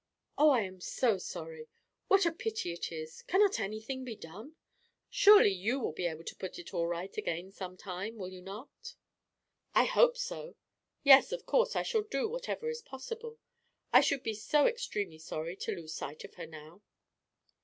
"Oh, I am so sorry. What a pity it is. Cannot anything be done? Surely you will be able to put it all right again some time, will you not?" "I hope so; yes, of course, I shall do whatever is possible: I should be so extremely sorry to lose sight of her now."